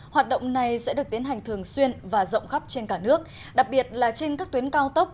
hoạt động này sẽ được tiến hành thường xuyên và rộng khắp trên cả nước đặc biệt là trên các tuyến cao tốc